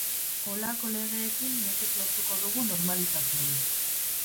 Holako legeekin nekez lortuko dugu normalizaziorik.